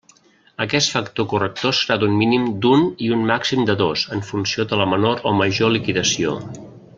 Aquest factor corrector serà d'un mínim d'un i un màxim de dos, en funció de la menor o major liquidació.